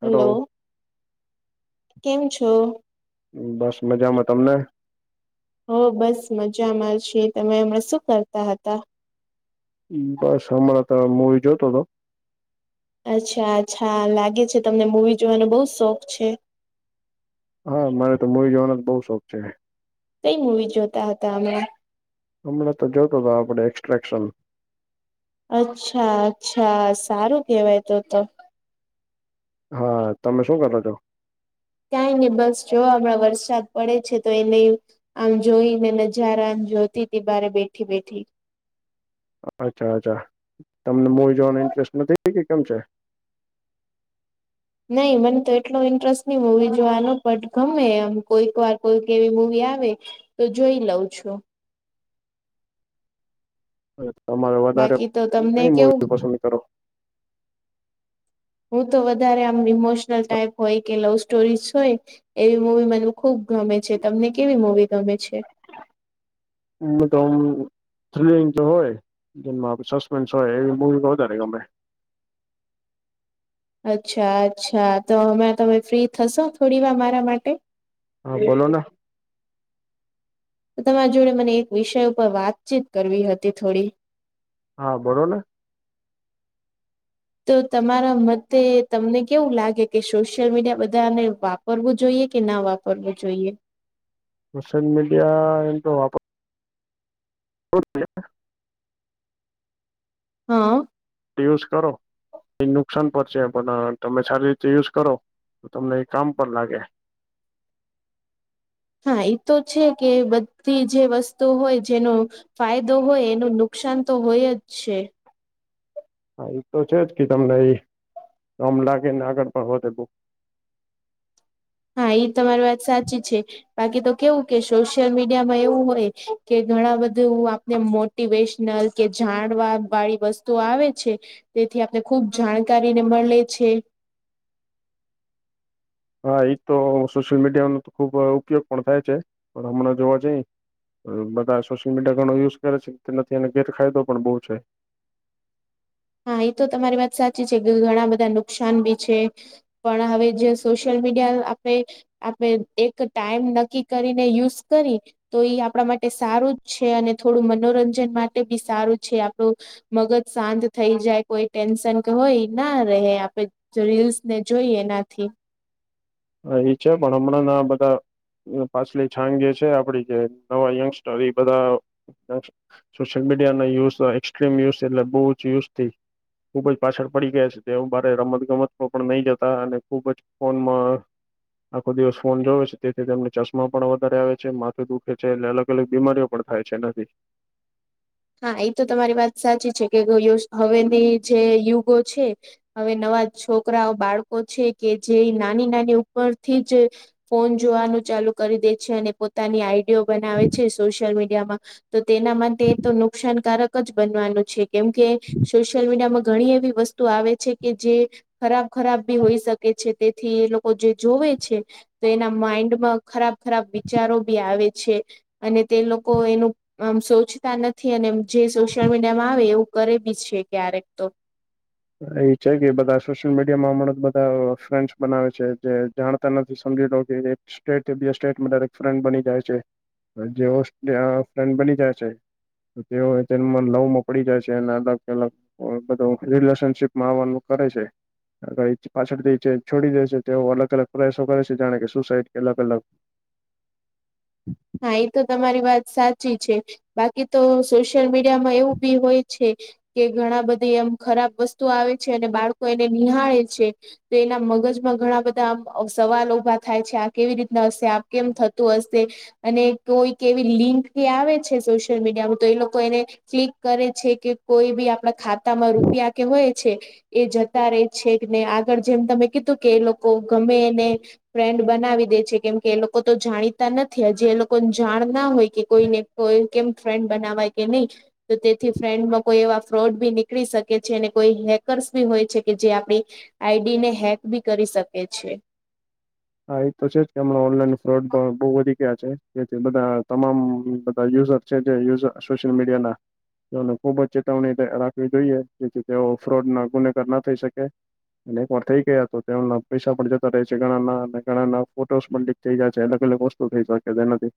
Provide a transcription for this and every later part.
Hello કેમ છો. હા બસ મજામાં તમને. હો બસ મજામાં છે તમે હમણા શું કરતા હતા. બસ હમણાં તો મુવી જોતો હતો. અચ્છા અચ્છા લાગે છે તમને મૂવી જોવાનો બહુ શોખ છે. હા મારે તો મૂવી જવાનો જ બઉ શોખ છે. કઈ મુવી જોતા હતા અમે. હમણાં તો જોતો હતો આપડે એક્સ્ટ્રાક્શન. અચ્છા અચ્છા સારું કેવાય તો તો. હા તમે શું કરો છો. ક્યાંય ને બસ જો હમણાં વરસાદ પડે છે તો એને આમ જોઈ ને નજારા જોતી તી બરે બેઠી બેઠી અચ્છા અચ્છા તમને મુવી જોવાનો ઇન્ટરેસ્ટ નથી કે કેમ છે. નહી મને તો એટલો ઇન્ટરેસ્ટની મુવી જોવાનો પણ ગમે એમ કોઈક વાર કોઈ એવી મૂવી આવે તો જોઈ લઉં છું. તમારે વધારે બાકી તો તમને કઈ કેવું મુવી પસંદ કરો. હું તો વધારે આમ ઈમોશનલ ટાઈપ હોય કે લવ સ્ટોરી હોય એવી મૂવી મને ખૂબ ગમે છે તમને કેવી મૂવી ગમે છે. મને તો ઓમ [unintelligible] તો હોય જેમાં સસ્પેન્સ હોય એવી મૂવી વધારે ગમે. અચ્છા અચ્છા તો હમે તમે ફ્રી થશો થોડી વાર મારા માટે. હા બોલો ના. તમારા જોડે મને એક વિષય ઉપર વાતચીત કરવી હતી થોડી. હા બોલો ને. તો તમારા મતે તમને કેવું લાગે કે સોશિયલ મીડિયા બધાને વાપ વાપરવું જોઈએ કે ના વાપરવું જોઈએ. સોશિયલ મીડિયા એમ તો વાપ [unintelligible] હા. તે યુઝ કરો. એ નુકસાન પર છે પણ તમે સારી રીતે યુઝ કરો તો તમને એ કામ પણ લાગે. હા એતો છે કે બધી જે વસ્તુ હોય જેનું ફાયદો હોય એનું નુકસાન તો હોય જ છે. હા એ તો છે જ કે તમને કમ લાગેને આગળ પણ હોતે બુ હા એ તમારી વાત સાચી છે. બાકી તો કેવું કે સોશિયલ મીડિયા માં એવું હોય કે ઘણા બધું આપને મો મોટિવેશનલ કે જાણવા વાળી વસ્તુ આવે છે. તેથી આપને ખુબ જાણકારી ને મળે છે. હા એજ તો સોશિયલ મીડિયા ન તો ખુબ ઉપયોગ પણ થાય છે પણ હમણાં જોવા જઈ બધા સોશિયલ મીડિયા ઘણો યુઝ કરે છે તે નથી અને ગેરફાયદો પણ બહુ છે. હા એ તો તમારી વાત સાચી છે કે ઘણા બધા નુકસાન બી છે. પણ હવે જે સોશિયલ મીડિયા આપણે આપણે એક ટાઈમ નક્કી કરીને યુઝ કરી તો એ આપડા માટે સારું જ છે અને થોડું મનોરંજન માટે બી સારું છે આપણું મગજ શાંત થઈ જાય કોઈ ટેન્શન કે હોય ના રહે આપે રીલ્સ ને જોઈએ એનાથી હ એ છે પણ હમણાં ના બધા. પાછલી છાંગ જે છે આપડી જે નવા યંગસ્ટર એ બધા સોશિયલ મીડિયાના યુઝ એક્સ્ટ્રીમ યુઝ એટલે બહુ જ યુઝ ટી ખુબ જ પાછળ પડી ગયા છે તેવું બારે રમત ગમત પણ નહી જતા અને ખૂબ જ ફોનમાં આખો દિવસ ફોન જોવે છે તેથી તેમને ચશ્મા પણ વધારે આવે છે માથું દુખે છે એટલે અલગ અલગ બીમારીઓ પણ થાય છે નથી હા એ તો તમારી વાત સાચી છે કે હવેની જે યુગો છે હવે નવા છોકરાઓ બાળકો છે કે જે નાની નાની ઉપરથી જ ફોન જોવાનું ચાલુ કરી દે છે અને પોતાની આઈડીયો બનાવે છે સોશિયલ મીડિયામાં તો તેના માટે તો નુકસાનકારક જ બનવાનું છે કેમ કે સોશિયલ મીડિયામાં ઘણી એવી વસ્તુ આવે છે કે જે ખરાબ ખરાબ બી હોઈ શકે છે તેથી એ લોકો જે જોવે છે તો એના માઈન્ડમાં ખરાબ ખરાબ વિચારો બી આવે છે અને તે લોકો એનું આમ સોચતા નથ થી અને જે સોશિયલ મીડિયા માં આવે એવું કરે બી છે ક્યારેક તો એ છે કે બધા સોશિયલ મીડિયા માં હમણાં બધા ફ્રેન્ડસ બનાવે છે જે જાણતા નથી સમજી લો કે એક સ્ટેટથી બીજ સ્ટેટમાં ફ્રેન્ડ બની જાય છે. જે [unintelligible] ફ્રેન્ડ બની જાય છે તેઓ તે લવમાં પડી જાય છે અને અલગ અલગ અ બધૂ રિલેસ સનશીપમાં આવાનું કરે છે. આગળ એ પાછળથી છોડી દે છે તેઓ અલગ અલગ પ્રયાસો કરે છે જાણે કે સુસાઈડ કે અલગ અલગ હા એ તો તમારી વાત સાચી છે. બાકી તો સોશિયલ મીડિયા માં એવું બી હોય છે કે ઘણા બધી એમ ખરાબ વસ્તુ આવે છે અને બાળકો એને નિહાળે છે. તો એના મગજમાં ઘણા બધા આમ સવાલ ઉભા થાય છે આ કેવી રીતના હશે, આ કેમ થતું હશે. અને કોઈક એવી લિંક કે આવે છે સોશિયલ મીડિયામાં તો એ લોકો એને ક્લિક કરે છે કે કોઈ બી આપણા ખાતામાં રૂપિયા કે હોય છે એ જતા રે છે ને આગળ જેમ તમે કીધું કે એ લોકો ગમે એને ફ્રેન્ડ બનાવી દે છે કેમ કે એ લોકો તો જાણીતા નથી જે એ લોકોને જાણ ના હોય કે કોઈને કોઈ કેમ ફ્રેન્ડ બનાવાય કે નઈ તો તેથી ફ્રેન્ડમાં કોઈ એવા ફ્રોડ બી નીકળી શકે છે અને કોઈ હેકર્સ બી હોય છે કે જે આપડી આઈડી ને હેક બી કરી શકે છે. હા એ તો છે જ કે હમણાં ઓનલાઈન ફ્રોડ પણ બહુ વધી ગયા છે જેથી બધા તમામ બધા યુઝર છે જે યુઝ સોશિયલ મીડિયા ના તેઓને ખુબ જ ચેતવણી રાખવી જોઈએ જેથી તેઓ ફ્રોડ ના ગુનેગાર ના થઈ શકે અને એક વાર થઇ ગયા તો તે પૈસા પણ જતા રહે છે ઘણા ના ઘણા ફોટોસ પણ લીક થઈ જાય છે અલગ અલગ વસ્તુ થઈ શકે એનાથી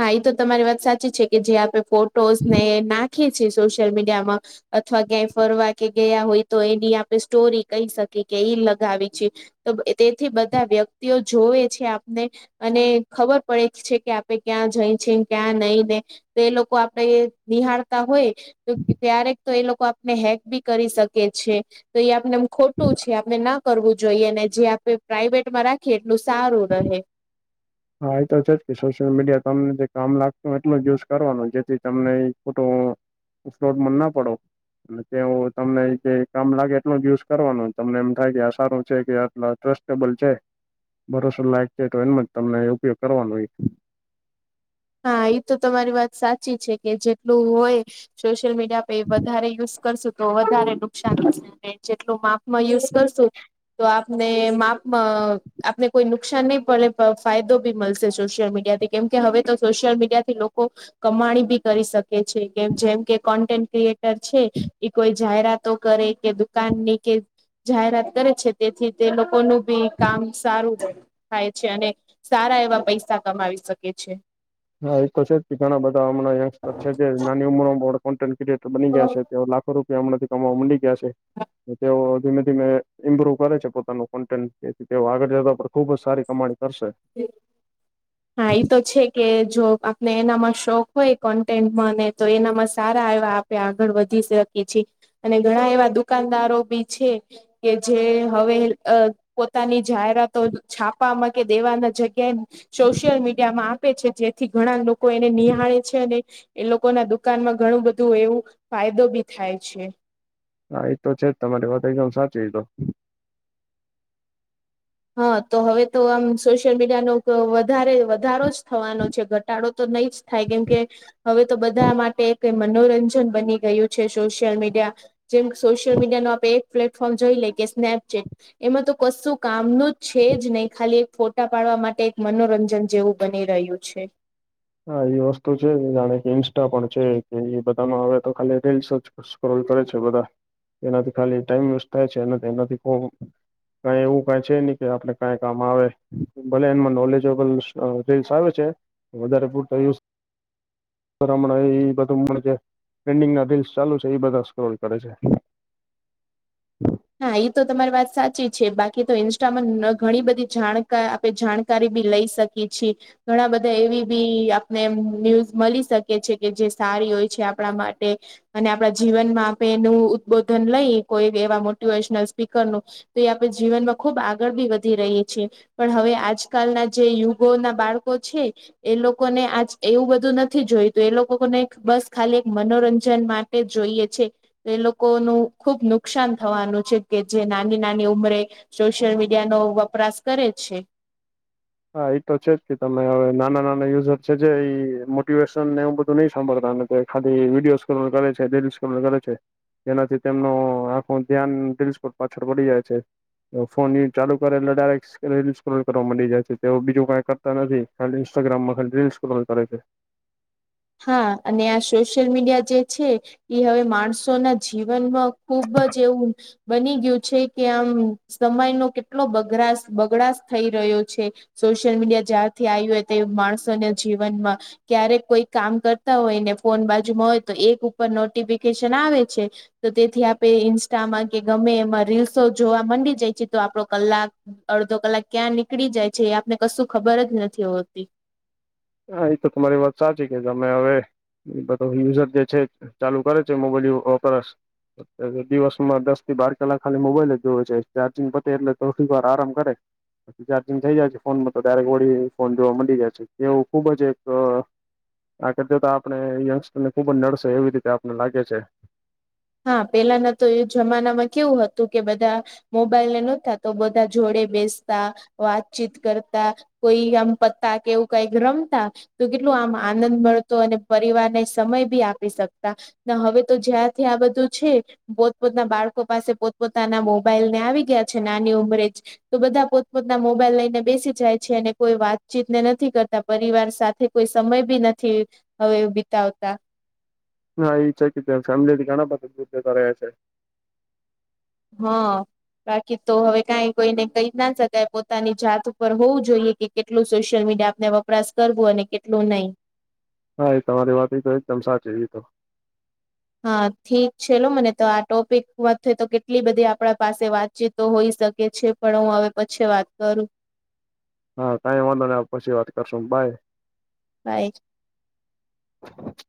હા એ તો તમારી વાત સાચી છે કે જે આપણે ફોટોસ ને નાખીએ છીએ સોશિયલ મીડિયામાં અથવા ક્યાંય ફરવા કે ગયા હોય તો એની આપણે સ્ટોરી કહી શકીએ કે ઈ લગાવી છે તો તેથી બધા વ્યક્તિઓ જોવે છે આપને અને ખબર પડે છે કે આપ ક્યાં જઈ છે ક્યાં નહી ને તો એ લોકો આપડે નિહાળતા હોય તો ક્યારેક તો એ લોકો આપને હેક બી કરી શકે છે. તો એ આપનેમ ખોટું છે આપણે ના કરવું જોઈએ અનેને જે આપણે પ્રાાઈવેટમાં રાખીએ એટલું સારું રહે હા એ તો છે જ કે સોશિયલ મીડિયા તમને જે કામ લાગતું એટલ યુઝ કરવાનું જેથી તમને એ ખોટો ફ્રોડ મ ના પડો એ કે તમને કામ લાગે એટલું યુસ કરવાનું તમને એમ થાય કે આ સારું છે કે આટ્રસ્ એબલ છે ભરોસો લાયક છે તો એમાં જ તમને ઉપયોગ કરવાનો ઈ હા એ તો તમારી વાત સાચી છે કે જેટલું હોય સોશિયલ મીડિયા પે એ વધારે યુઝ કરશું તો વધારે નુકસાન થશે જેટલું માપમાં યુઝ કરશું તો આપને માપમાં આપને કોઈ નુકસાન નહી પડે ફાયદો બી મળશે સોશિયલ મીડિયા થી કેમ કે હવે તો સોશિયલ મીડિયા થી લોકો કમાણી બી કરી શકે છે કેમ જેમ કે કોન્ટેન્ટ ક્રિએટર છે. એ કોઈ જાહેરાતો કરે કે દુકાનની કે જાહેરાત કરે છે તેથી તેલોકોનું ભી કામ સારું છે. થાય છે અને સારા એવા પૈસા કમાવી શકે છે. હા એ તો છે જ ઘણા બધા હમણાં યંગસ્ટર છે જે નાની ઉમરોમાં કોન્ટેન્ટ ક્રિએટર બની ગયા છે તે લાખો રૂપિયા હમણાંથી કમાવા મન્ડિ ગયા છે. તેઓ ધીમે ધીમે ઇમ્પ્રુવ કરે છે પોતાનું કોન્ટેન્ટથી તેઓ આગળ જતા પર ખુબ જ સારી કમાણી કરશે. હા એ તો છે કે જો આપને એનામાં શોખ હોય કોન્ટેન્ટમાંને તો એનામાં સારા એવા આગળ વધી શકે છે એ અને ઘણા એવા દુકાનદારો બી છે. કે જે હવે પોતાની જાહેરાતો છાપામાં કે દેવાના જગ્યા સોશિયલ મીડિયા માં આપે છે જેથી ઘણા લોકો એને નિહાળે છે અને એ લોકો ના દુકાનમાં ઘણું બધું એવું ફાયદોબી થાય છે. હા એ તો છેજ તમારી વાત એકદમ સાચી એ તો હા તો હવે તો આમ સોશિયલ મીડિયાનો વધારે વધારો જ થવાનો છે ઘટાડો તો નહી જ થાય કેમકે હવે તો બધા માટે એક મનોરંજન બની ગયું છે સોશિયલ મીડિયા જેમ સોશિયલ મીડિયા નો આપણે એક પ્લેટફોર્મ જોઈ લે કે સ્નેપચેટ એમાં તો કશું કામનું છે જ નહી ખાલી એક ફોટા પાડવા માટે એક મનોરંજન જેવું બની રહ્યું છે. હા એ વસ્તુ છે જાણે કે ઇન્સ્ટા પણ છે કે એ બધામાં હવે તો ખાલી રીલ્શજ સક્રરોલ કરે છે બધા એનાથી ખાલી ટાઈમ વેસ્ટ થાય છે એનાથી એનાથી કઈ એવું કઈ છે નહી કે આપડે કાઈ કામ આવે ભલે એમાં નોલેજબલ રીલલ્શ આવે છે વધારે પૂરતા યુસ હમણાં એ બધું જે ટ્રેરેન્ડિંગ ના રીલ્સ ચાલુ છે એ બધા સ્ક્રોલ કરે છે. હા એ તો તમારી વાત સાચી છે બાકી તો ઇન્સ્ટામાં ઘણી બધી જાણકાર આપે જાણ કારી બી લઈ શકીએ છી ઘણા બધા એવી બી આપને ન્યૂઝ મળી શકે છે કે જે સારી હોય છે આપણા માટે અને આપણા જીવનમાં આપે એનું ઉદબોધન લઈએ કોઈ એવા મોટિવેશનલ સ્પીકરનું તો એ આપણે જીવનમાં ખુબ આગળબી વધી રહીએ છીએ પણ હવે આજકાલના જે યુગો ના બાળકો છે એ લોકોને આજ એવું બધું નથી જોયતું એ લોકોને બસ ખાલી મનોરંજન માટે જોઈએ છે એ લોકો નુ ખુબ નુકસાન થવાનું છે કે જે નાની નાની ઉમરે સોશિયલ મીડિયા નો વપરાશ કરે છે. હા એ તો છે જ કે તમે હવે નાના નાના યુઝર છે જે એ મોટિવેશન ને એવુબધું નહી સાંભળતા ખાલી વિડીયો સ્ક્રોલ કરે છે રીલ્સ સક્રરોલ કરે છે. જેનાથી તેમનું આખું ધ્યાન રીલ્સ પાછળ પડી જાય છે. ફોન ચાલુ કરે એટલે ડાયરેક્ટ રીલ્સ સ્ક્રોલ કરવા મંડી જાય છે. તેવો બીજો કંઈ કરતા નથી ખાલી ઇન્સ્ટાગ્રામમાં ખાલી રીલ્સ સક્રોલ કરે છે. હા અને આ સોશિયલ મીડિયા જે છે એ હવે માણસો ના જીવનમાં ખુબ જ એવું બની ગયું છે કે આમ સમય નો કેટલો બગરાસ બગડાસ થઈ રહ્યો છે. સોશિયલ મીડિયા જ્યારથી આવી હોય તે માણસોને જીવનમાં ક્યારેક કોઈ કામ કરતા હોય ને ફોન બાજુમાં હોય તો એક ઉપર નોટિફિકેશન આવે છે તો તેથી આપે ઇન્સ્ટામાં કે ગમે એમાં રીલ્સો જોવા માંડી જાય છે તો આપડો કલાક અડધો કલાક ક્યાં નીકળી જાય છે એ આપને કશું ખબર જ નથી હોતી. હા એ તો તમારી વાત સાચી કે તમે અવે બધુ યુઝર જે છે ચાલુ કરે છે મોબાઈલ વાપ [unintelligible] અ દિવસમાં દસ થી બાર કલાક ખાલી મોબાઈલ જ જોવે છે ચાર્જિંગ પતે એટલે થોક વાર આરામ કરે. પછ ચાર્જિંગ થઇ જાય છે ફોનમાં તો ડાયરેક્ટ વળી ફોન જોવા મળી જાય છે એવું ખુબ જ એક આ કર તો આપણે યંગસ્ટર ને ખુબ જ નડશે એવી રીતે આપને લાગે છે. હા પેલાના તો એ જમાનામાં કેવું હતું કે બધા મોબાઈલ ને નતા તો બધા જોડે બેસતા વાતચીત કરતા કોઈ આમ પત્તા કેવું કઈ રમતા તો કેટલું આમ આનંદ મળતો અને પરિવારને સમય બી આપી શકતા હવે તો જ્યાં થી આ બધું છે પોતપોતના બાળકો પાસે પોતપોતાના મોબાઈલ ને આવી ગયા છે નાની ઉંમરે જ તો બધા પોતપોતના મોબાઈલ લઈને બેસી જાય છે અને કોઈ વાતચીત ને નથી કરતા પરિવાર સાથે કોઈ સમય બી નથી હવે બીતાવતા. હા એ છે ક ફેમિલી થી ઘણા બધા [unintelligible] [unintelligible] છે. હા. બાકી તો હવે કઈ કોઈને કઈ ના શકાય પોતાની જાત ઉપર હોવું જોઈએ કે કેટલું સોશિયલ મીડિયા આપને વપરાશ કરવું અને કેટલું નહી. હા એ તમારી વાત એ તો એકદમ સાચી એ તો. હા ઠીક છે લો મને તો આ ટોપિકમાં થ તો કેટલી બધી આપણા પાસે વાતચીત તો હોઈ શકે છે પણ હું હવે પછી વાત કરું. હા કાઈ વાંધો ન પછી વાત કરશો બાય. બાય. [inaudible]